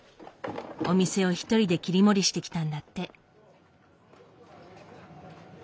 お店を一人で切り盛りしてきたんだって。